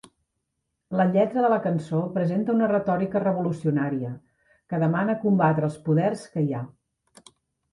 La lletra de la cançó presenta una retòrica revolucionària que demana combatre els "poders que hi ha".